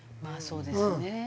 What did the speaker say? まあそうですよね。